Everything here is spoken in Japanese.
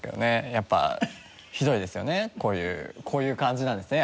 やっぱひどいですよねこういうこういう感じなんですね